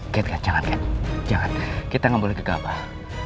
kat kat jangan kat jangan kita gak boleh gegabah